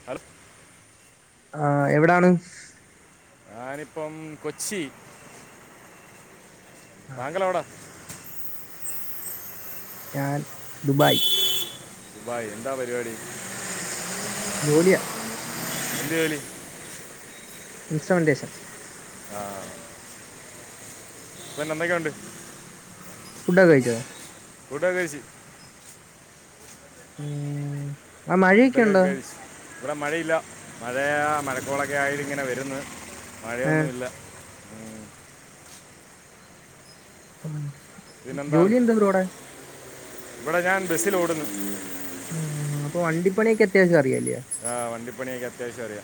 [inaudible] ആഹ് എവിടാണ്. ഞാനിപ്പം കൊച്ചി. ആ, തങ്ങൾ എവിടാ ഞാൻ ദുബായ്. ദുബായ്, എന്താ പരിപാടി. ജോലിയാ എന്ത് ജോലി ഇൻസ്ട്രൾമെന്റ്ഷൻ ആഹ് പിന്നെ എന്തൊക്കയുണ്ട്. ഫുഡാ കഴിച്ചോ. ഫുഡ് ഒക്കെ കഴിച്ചു. ഉം ആ മഴയൊക്കെ ഫുഡഡൊക്കെ ഉണ്ടോ കഴിച്ച്, ഇവിടെ മഴയില്ല മഴയാ മഴക്കോളക്കെ ആയിങ്ങനെ വരുന്ന്. ഏഹ് മഴയൊന്നുല്ല. ആ പിന്നെന്താണ് ഇവിടെ ഞാൻ ബസിൽ ഓടുന്നു. ആഹ് അപ്പൊ വണ്ടിപ്പണിയൊക്കെ അത്യാവശ്യം അറിയല്ലേ. ആഹ് വണ്ടിപ്പണിഓക്കെ അത്യാവശ്യംഅറിയാ.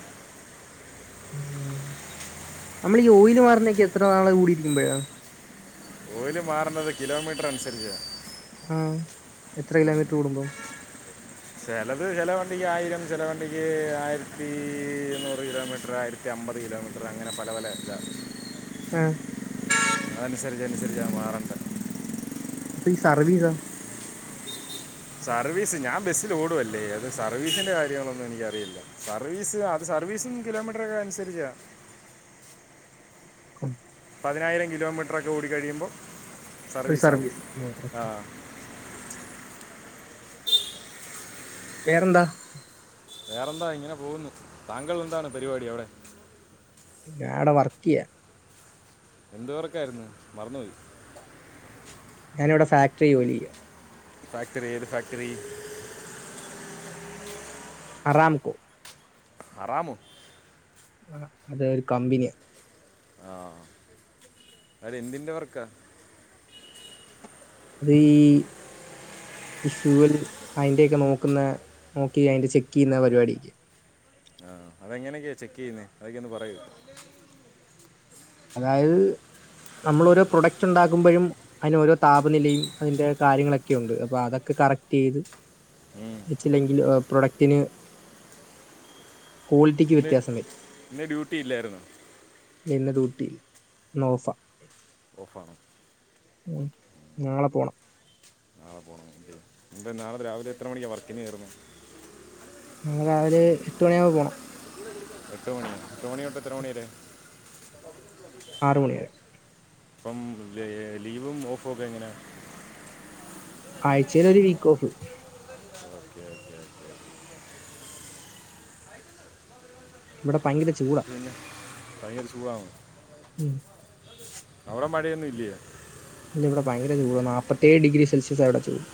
എഹ് നമ്മൾ ഈ ഓയില് മാറുന്നൊക്കെ എത്ര നാള് കൂടിയിരിക്കുമ്പോഴാണ്. ഓയില് മാറുന്നത് കിലോമീറ്റർ അനുസരിച്ചാണ്. ആഹ് എത്ര കിലോമീറ്റർ കൂടുമ്പോ. ചിലത് ചിലവണ്ടിക്ക് ആയിരം, ചിലവണ്ടിക്ക് ആയിരത്തി ഇരുനൂറ് കിലോമീറ്റർ ആയിരത്തി നൂറ്റമ്പത് കിലോമീറ്റർ അങ്ങനെ പല ഇതാണ്. എഹ് അതനുസരിച്ച് അനുസരിച്ച് ഞാൻ മാറട്ടെ. അപ്പ ഈ സർവിസ സർവീസ് ഞാൻ ബസ്സിൽ ഓടുവല്ലേ അത് സർവീസിന്റെ കാര്യങ്ങളൊന്നും എനിക്കറിയില്ല സർവീസ്. ഒരു സർവീസും കിലോമീറ്ററക്കെ അനുസരിച്ചാ. [inaudible] പതിനായിരം കിലോമീറ്ററൊക്കെ ഓടി കഴിയുമ്പോ സർവീസ് ആകും. ആഹ് വേറെന്താ. വേറെന്താ ഇങ്ങനെ പോകുന്നു താങ്കൾ എന്താണ് പരിപാടി അവിടെ. ഞാൻഇവടെ വർക്ക് ചെയ്യ. എന്ത് വർക്കായിരുന്നു മറന്നുപോയി. ഞാനിവിടെ ഫാക്ടറി ജോലി ചെയുക. ഫാക്ടറി ഏത് ഫാക്ടറി.. അറാംകോ അറാമോ ആഹ് അത് ഒരു കമ്പനിയാ ആഹ് അത് എന്തിന്റെ വർക്കാ. അത് ഈ ഈ ഷ്യൂവിൽ അതിന്റെക്കെ നോക്കുന്ന നോക്കി അതി ചെക്ക് ചെയ്യുന്ന പരിപാടില്ലെ ആഹ് അതെങ്ങനെയൊക്കെയാ ചെക്ക് ചെയ്യുന്നേ അതൊക്കെയൊന്ന് പറയോ. അതായത് നമ്മളോരോ പ്രൊഡക്റ്റ് ഉണ്ടാക്കുമ്പോഴും. അതിന് ഓരോ താപനിലയും അതിന്റെ കാര്യങ്ങളൊക്കെ ഉണ്ട് അപ്പൊ അതൊക്കെ കറക്ട് ചെയ്ത്. ഉം വച്ചില്ലെങ്കിൽ പ്രൊഡക്ടിന്. ക്വാളിറ്റിക്ക് ഇന്ന് വ്യത്യാസം വരും. ഇന്ന് ഡ്യൂട്ടി ഇല്ലായിരുന്നു ഇല്ല ഡ്യൂട്ടി ഇന്ന് ഓഫ. ഓഫാണോ. ഉം നാളെ പോണം. നാളെ പോകണം എന്നിട്ട് നാളെ രാവിലെ എത്ര മണിക്കാണ് വർക്കിന് കയറുന്നത്. നാളെ രാവിലെ എട്ട് മണിയാവുമ്പോ പോകണം. എട്ടുമണിയോ എട്ടുമണി തൊട്ട് എത്ര മണി വരെ. ആറ് മണി വരെ ഇപ്പം ലീവും ഓഫും ഒക്കെ എങ്ങനെയാ. ആഴ്ചയിൽ ഒരു week off. Okay okay okay ഇവിടെ ഭയങ്കര ചൂടാ. ഭയങ്കര ചൂടാണോ ഉം അവടെ മഴയൊന്നുവില്ലേ ഇല്ലവ്ടെ ഭയങ്കര ചൂട നാപ്പത്തേഴ് ഡിഗ്രിസെൽഷ്യസാ ഇവടെ ചൂട്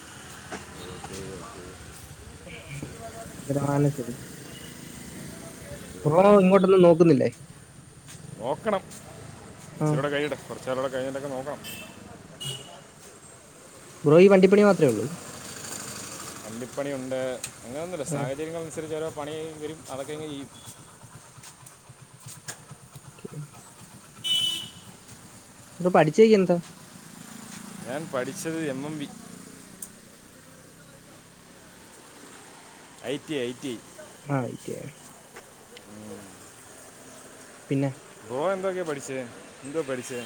ഓക്കെ ഓക്കെ [unintelligible] ബ്രോ ഇങ്ങോട്ടൊന്നും നോക്കുന്നില്ലേ നോക്കണം ആഹ്. ഇച്ചിരൂടെ കഴിയട്ടെ കൊറ്ച്ചാളൂടെ കഴിഞ്ഞിട്ടൊക്കെ നോക്കണം ബ്രോ ഈ വണ്ടിപ്പണി മാത്രേഒള്ളൂ വണ്ടിപ്പണിയുണ്ട് അങ്ങനെയൊന്നുല്ല ആഹ്. സാഹചര്യങ്ങളനുസരിച്ച് ഓരോ പണി വരും അതൊക്കെയങ്ങ് ചെയ്യും ഓക്കെ ബ്രോ പഠിച്ചെയൊക്കെന്താ ഞാൻ പഠിച്ചത് M M B IT IT ആഹ് ഐറ്റിഐ പിന്നെ ബ്രോ എന്തൊക്കെ പഠിച്ചേ എന്തുവാ പഠിച്ചേ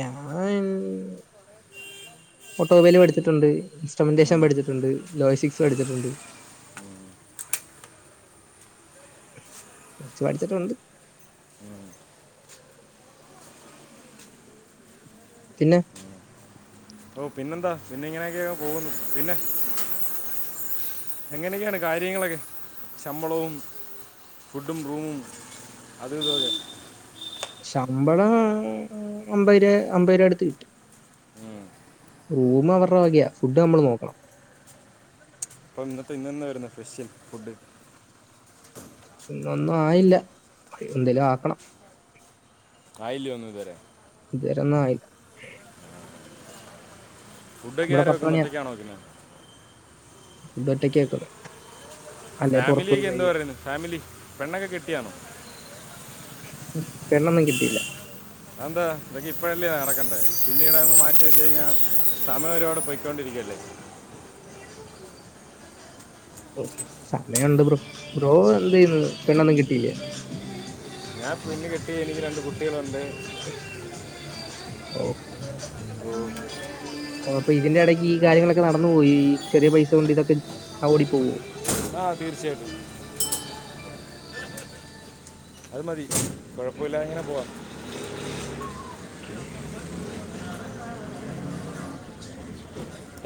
ഞാൻ ഓട്ടോമൊബൈൽ പഠിച്ചിട്ടുണ്ട് ഇൻസ്ട്രുമെന്റേഷൻ ഉം. പഠിച്ചിട്ടുണ്ട് ലോജിസ്റ്റിക്സ് പഠിച്ചിട്ടുണ്ട് കൊർച്ച് പഠിച്ച്ട്ടൊണ്ട് ഉം പിന്നെ ബ്രോ പിന്നെന്താ പിന്നെ ഇങ്ങനെയൊക്കെയങ്ങ് പോകുന്നു പിന്നെ എങ്ങനെയൊക്കെയാണ് കാര്യങ്ങളൊക്കെ ശമ്പളവും ഫുഡും റൂമും അതുവിതുവൊക്കെ ശമ്പളം അമ്പത് രൂപ അമ്പത് രൂപട്ത്ത് കിട്ടും റൂം അവർറെ വകയാ ഫുഡ്ഡ് നമ്മൾ നോക്കണം അപ്പം ഇന്നത്തെ ഇന്നെന്നാ വര്ന്നെ ഫെഷ്യൽ ഫുഡ് ഇന്നൊന്നു ആയില്ല എന്തേലും ആക്കണം ആയ്ല്യോ ഒന്നും ഇതുവരെ ഇത് വരെഒന്നും ആയില്ല ഫുഡൊക്കെ ഇവിടെ ആരാ പത്ത് വെക്കുന്നെ ഒറ്റക്കാണോ വെക്കുന്നെ ഫുഡ്ഡൊറ്റക്കാ വെക്കുന്നേ അല്ലേ പൊറത്ത് പോയി ഫാമിലിയൊക്കെ എന്തോ കഴിക്കും പറയുന്നു ഫാമിലി പെണ്ണൊക്കെ കെട്ടിയാണോ പെണ്ണൊന്നും കെട്ടിയില്ല അതെന്താ അതൊക്കെ ഇപ്പഴല്ലേ നടക്കണ്ടെ പിന്നീടങ്ങ് മാറ്റി വെച്ചഴിഞ്ഞാ സമയൊര്പാട് പൊയ്ക്കൊണ്ടിരിക്കുവല്ലേ സമയവൊണ്ട് ബ്രോ ബ്രോ എന്ത് ചെയ്യുന്ന് പെണ്ണൊന്നും കെട്ടിയില്ലേ ഞാൻ പെണ്ണ് കെട്ടി എനിക്ക് രണ്ട് കുട്ടികളുണ്ട് ഓഹ് ഓ അപ്പൊ ഇതിന്റെ എടക്ക് ഈ കാര്യങ്ങളൊക്കെ നടന്നു പോയി ഈ ചെറിയ പൈസ കൊണ്ട് ഇതൊക്കെ ഓടി പോകോ ആഹ് തീർച്ചയായിട്ടും അത് മതി കൊഴപ്പമില്ലാതെ ഇങ്ങനെ പോവാ ഓക്കെ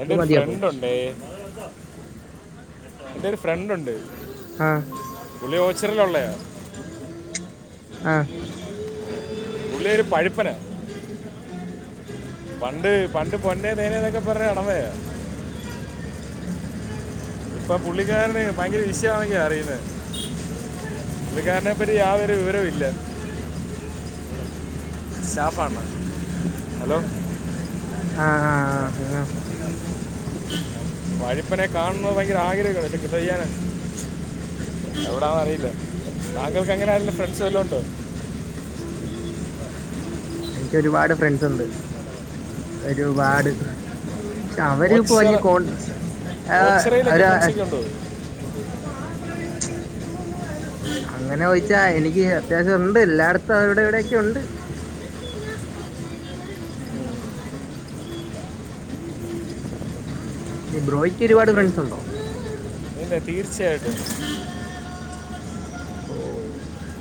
എന്റെ അത് ഒരു മതി അപ്പം. ഫ്രണ്ട് ഉണ്ടേഎന്റെ ഒരു ഫ്രണ്ട് ഉണ്ട് ആഹ് പുള്ളി ഓച്ചറലള്ളയോ ആഹ് പുഉള്ളിയൊരു പഴുപ്പന പണ്ട് പണ്ട് പൊന്നെ ത്തേനേ ന്നൊക്കെപറഞ്ഞു നടന്നയാ ഇപ്പൊ പുള്ളിക്കാരന് ഭയങ്കര വിഷയാന്നൊക്കെ അറിയുന്ന പുള്ളിക്കാരനെ പറ്റി യാതൊരു വിവരോം ഇല്ല ശാപ്പാണോ ഹലോ ആഹ് വഴിപ്പനെ കാണുന്നത് ഭയങ്കര ആഗ്രഹ എത്ന് ചെയ്യാന എവിടന്ന് അറിയില്ല താങ്കൾക്ക് എങ്ങനെ ആ ഫ്രണ്ട്സ് വല്ലോണ്ടൊ എനിക്കൊരുപാട് ഫ്രണ്ട്സ് ഉണ്ട് ഒരുപാട് പക്ഷെ അവരിപ്പോ ഓച്ചറ വലിയ കോൺ ഓച്ചറയിലൊക്കെ ആഹ് ഫ്രണ്ട്സൊക്കെ ഉണ്ടോ അങ്ങനെ ചോയ്ച്ചാ എനിക്ക് അത്യാവശ്യം ഉണ്ട് എല്ലാടത്തും അവിടെ ഇവിടെക്കെ ഉണ്ട് ഇനി ബ്രോയ്ക്ക് ഒരുപാട് ഓക്കെ ഫ്രണ്ട്സ് ഉണ്ടോ ഇല്ല തീർച്ചയായിട്ടും ഓഹ്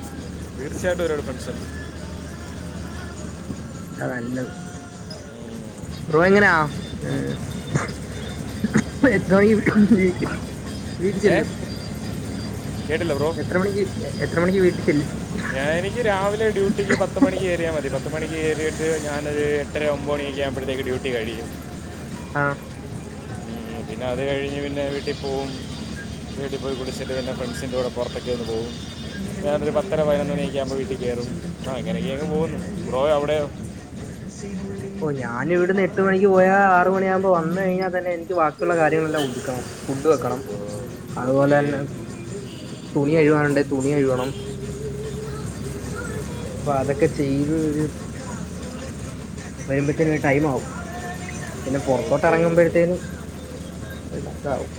തീർച്ചയായിട്ടും [unintelligible] ആ നല്ലത് ബ്രോ എങ്ങനാ ഏഹ് എത്രായി [unintelligible] വീട്ടി ഏ ചെല്ലും കേട്ടില്ല ബ്രോ എത്ര മണിക്ക് എത്ര മണിക്ക് വീട്ടി ചെല്ലും ഞാൻ എനിക്ക് രാവിലെ ഡ്യൂട്ടിക്ക് പ പത്ത് മണിക്കേറിയാ മതി പത്ത് ത്ത് മണിക്ക് കേറിയാ മതി പത്ത് മണിക്ക് കേറിയിട്ട് ഞാനൊര് എട്ടര ഒമ്പത് മണിയൊക്കെ ആകുമ്പഴത്തേക്ക് ഡ്യൂട്ടി കഴിയും ആഹ് ഉം, പിന്നെ അത് കഴിഞ്ഞ് പിന്നെ വീട്ടി പോവും വീട്ടിൽ പോയി കുളിച്ചിട്ട് തന്നെ ഫ്രണ്ട്സിന്റെ കൂടെ പുറത്തൊക്കെ ഒന്ന് പോകും ഞാനൊരു പത്തര പൈനൊന്ന്മണിയൊക്കെ ആകുമ്പോ വീട്ടി കേറും അങ്ങനെയൊക്കെ അങ്ങ് പോകുന്നു ബ്രോ അവിടെ ഓഹ് ഞാൻ ഇവിടുന്ന് എട്ട് മണിക്ക് പോയാ ആറ് മണിയാകുമ്പോ വന്ന് കഴിഞ്ഞാ തന്നെ എനിക്ക് ബാക്കിയുള്ള കാര്യങ്ങളെല്ലാം ഒതുക്കണം ഫുഡ് വെക്കണം [unintelligible] അതുപോലെ ഓക്കെ തന്നെ തുണി കഴുകാൻ ഉണ്ടേ തുണി കഴുകണം അപ്പൊ അതൊക്കെ ചെയ്ത് ഒരു വരുമ്പത്തേനും ഒരു ടൈംമാകും പിന്നെ പുറത്തോട്ട് ഓക്കെ ഓക്കെ ഇറങ്ങുമ്പഴത്തേനും [unintelligible] ആവും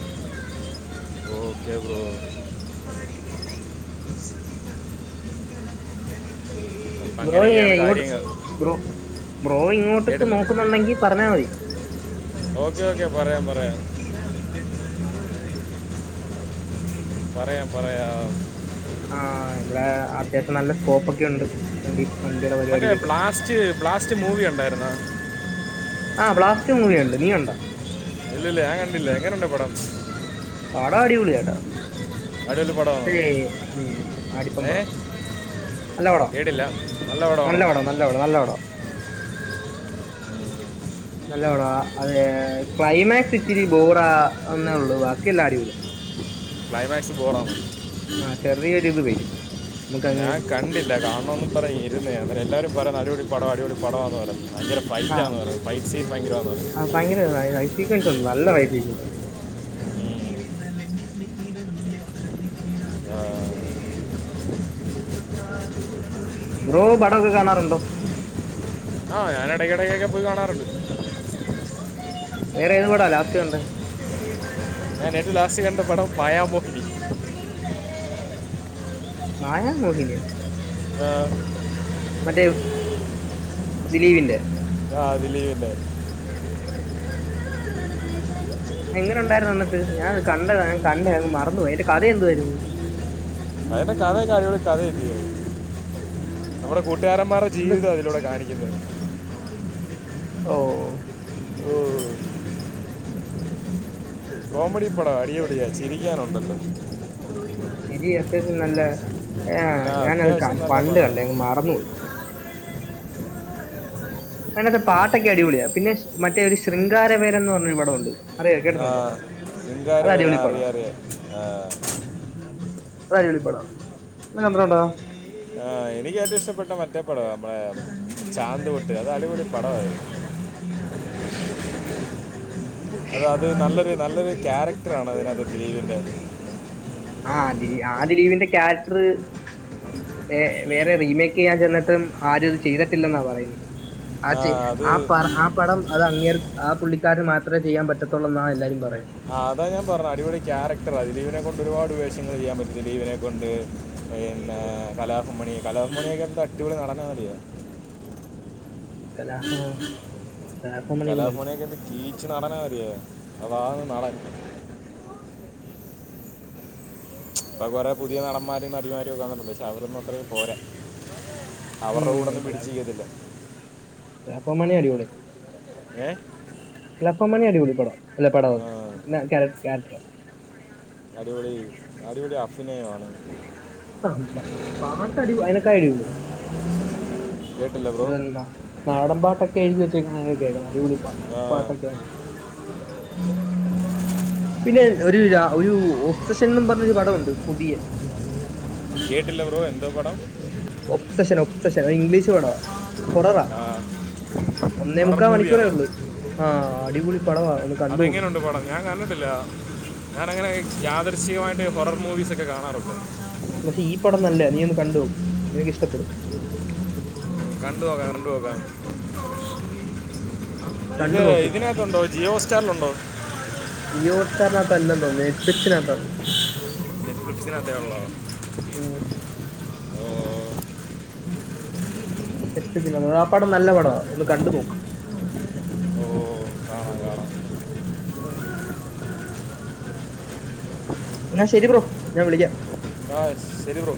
ഓക്കെ ബ്രോ അപ്പം ബ്രോ ഏയ് അങ്ങനെയൊക്കെയാണ് ഇങ്ങോട്ട് കാര്യങ്ങൾ ബ്രോ ബ്രോ ഇങ്ങോട്ട്ക്ക് കേട്ടില്ല നോക്കുന്നുണ്ടെങ്കി പറഞ്ഞാ മതി ഓക്കെ ഓക്കെ പറയാം പറയാം പറയാം പറയാം ആഹ് ഇവിടെ അത്യാവശ്യം നല്ല സ്കോപ്പൊക്കെ ഉണ്ട് മന്തി മന്തിടെ പരിപാടിക്കൊക്കെ ഫസ്റ്റ് ബ്ലാസ്റ്റ് മൂവി കണ്ടാര്ന്നോ? ആഹ് ബ്ലാസ്റ്റ് മൂവി കണ്ട് നീ കണ്ടോ ഇല്ലല്ലാ ഞാൻ കണ്ടില്ല എങ്ങനെണ്ട് പടം പടം അടിപൊളിയാട്ടോ അടിപൊളി പടമാണ് [unintelligible] ഉം ഏ [unintelligible] നല്ല പടാ കേട്ടില്ല പടമാണോ നല്ല പടാ നല്ല പടാ നല്ലപടാ നല്ല പടവാ അതെ ക്ലൈമാക്സ് ഇച്ചിരി ബോറാ എന്നേ ഉള്ളൂ ബാക്കിയെല്ലാം അടിപൊളിയാ ക്ലൈമാക്സ്‌ ബോറാ ആഹ് ചെറിയൊരിത് വരും നമുക്കങ്ങ് ഞാൻ കണ്ടില്ല കാണണോന്നും പറഞ്ഞ് ഇരുന്നേ അങ്ങനെ എല്ലാരും പറയുന്നു അടിപൊളി പടാ അടിപൊളി പടാണ് പറഞ്ഞ് ഭയങ്കര ആ ഫൈറ്റ് ആന്ന് പറയ്ണു ഫൈറ്റ് സീൻ ബയങ്കരാന്ന് പറയ്ണു ആ, ഭയങ്കര [unintelligible] ഉം. ബ്രോ പടൊക്കെ കാണാറുണ്ടോ? ആഹ് ഞാൻ എടയ്ക്കിടക്കൊക്കെ പോയി കാണാറുണ്ട് വേറെ ഏത് പടാ ലാസ്റ്റ് കണ്ടത് ഞാൻ ഏറ്റോം ലാസ്റ്റ് കണ്ട പടം മായാമോഹിനി മായാമോഹിനിയോ ആഹ് മറ്റേ ദിലീപിന്റെ ആഹ് ദിലീപിന്റെ ഉം [unintelligible] [unintelligible] എങ്ങനെ ഉണ്ടായിരുന്നു എന്നിട്ട് ഞാനത് കണ്ടതാ ഞാൻ കണ്ടങ്ങ് മറന്ന് പോയി അയ്ന്റെ കഥ എന്തുവായിരുന്നു അതിന്റെ കഥയൊക്കെ നല്ല കഥ അല്ലയോ നമ്മുടെ കൂട്ടുകാരന്മാരുടെ എന്ത് ജീവിതാ അതിലൂടെ കാണി [unintelligible] ഓ ഓ കോമഡി പടവാ അടി പൊളിയ ചിരിക്കാനുണ്ടല്ലോ ചിരി അത്യാവശ്യം നല്ല ഏ ആ ഞാനത് അത്യാവശ്യം നല്ല പണ്ട് കണ്ടേ പടമാണ് അങ്ങ് മറന്നു പോയി അതിനകത്തെ പാട്ടൊക്കെ അടിപൊളിയാ പിന്നെ മറ്റേ ഒരു ശൃംഗാരവേരം എന്ന് പറഞ്ഞൊ ഒരു പടമുണ്ട് അറിയാം കേട്ടിട്ടുണ്ടോ ആഹ് ശൃഗാര അത് വേരൻ അടിപൊളി പടം അറിയാ അറിയാ ആഹ് പഴേ ഒരു പടവാ നിങ്ങൾ കണ്ടിട്ടുണ്ടോ ആഹ് എനിക്ക് ഏറ്റവും ഇഷ്ടപ്പെട്ട മറ്റേ പടവാ നമ്മടെ ചാന്ത്പൊട്ട് അത് അടിപൊളി പടമായിരുന്നു അത അത് നല്ലൊരു നല്ലൊരു ക്യാരക്ടർ ആണ് അതിനകത് ദിലീപിന്റെ ആ്ഹ് ദിലീപ് ആ ദിലീപിന്റെ ക്യാരക്ടർ വേറെ റീമേക്ക് ചെയ്യാൻ ചെന്നിട്ടും ആരും അത് ചെയ്തിട്ടില്ലെന്നാ പറയുന്നത് ആ ആച്ചെ അത് ആ പ ആ പടം അത് അങ്ങേർ ആ പുള്ളിക്കാരന് മാത്രമേ ചെയ്യാൻ പറ്റത്തുള്ളൂ എന്നാണ് എല്ലാരും പറയണ് അതാ ഞാൻ പറഞ്ഞ അടിപൊളി ക്യാരക്ടറാ ദിലീപിനെ കൊണ്ട് ഒരുപാട് വേഷങ്ങൾ ചെയ്യാൻ പറ്റും ദിലീപിനെ കൊണ്ട് പിന്നെ കലാഭവൻ മണി കലാഭവൻ മണിയൊക്കെ എന്ത് അടിപൊളി നടനാന്നറിയോ കലാഭവൻ കലാഭവൻ മണി ഒക്കെ മരിച്ചു റീച്ച് നടനാ അറിയോ അപാര നടൻ ഇപ്പൊ കൊറേ പുതിയ നടന്മാരും നടിമാരും ഒക്കെ വന്നിട്ടുണ്ട് പക്ഷെ അവരൊന്നും അത്ര പോരാ അവരുടെ കൂടെ ഒന്നും പിടിച്ച് നിക്കത്തില്ല കലാഭവൻ മണി അടിപൊളിയാ ഏഹ് [unintelligible] ഇപ്പം മണി അടിപൊളി പടാ നല്ല പടാവും ആ, [unintelligible] ക്യാര ക്യാരക്ടറാ അടിപൊളി അടിപൊളി അഭിനയമാണ് ആഹ് പാട്ട് അടി കേട്ടില്ല ബ്രോ [unintelligible] നാടൻ പാട്ടൊക്കെ എഴുതി വെച്ചേക്ക കേക്ക അടിപൊളി ആ പാട്ടൊക്കെ ആണ് പിന്നെ ഒരു ഒരു ഓബ്സഷൻന്ന് പറഞ്ഞ ഒരു പടമുണ്ട് പുതിയ കേട്ടില്ല ബ്രോ എന്തോ പടം ഒപ്സെഷൻ ഒപ്സെഷൻ ഇംഗ്ലീഷ് വേടാ ആഹ് ഒന്നേ മുക്കാൽ മണിക്കൂറേ ഉള്ളൂ ആഹ് അടിപൊളി പടവാ ഒന്ന് കണ്ട് നോക്ക് ഞാന് അങ്ങനെ യാദർശികമായിട്ട് ഹൊറർ മൂവീസ് ഒക്കെ കാണാറുള്ളൂ പക്ഷെ ഈ പടം നല്ല നീ ഒന്ന് കണ്ടു നോക്ക് നിനക്ക് ഇഷ്ടപ്പെടും കണ്ടു നോക്കാം കണ്ടു നോക്കാം കണ്ടു ഇത് നോക്ക് ഇതിനകത്ത് ഉണ്ടോ ജിയോ സ്റ്റാറിലുണ്ടോ ജിയോ ഹോട്ട് സ്റ്റാറിനകത്ത് അല്ലന്ന് തോന്നുന്നു എപ്പിട്സിനകത്താ തോന്നുന്നു എപ്പിട്സിന് അകത്തെ ഉള്ളോ ഉം ഓ എപ്പിട്സ്ന്നത് ആ പടം നല്ല പടമാണ് ഒന്ന് കണ്ടു നോക്ക് ഓ കാണാം കാണാം അതെ എന്നാ ശരി ബ്രോ ഞാൻ വിളിക്കാം [unintelligible] ശരി ബ്രോ